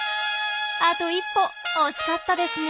あと一歩惜しかったですね。